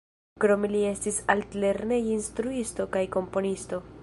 Krome li estis altlerneja instruisto kaj komponisto.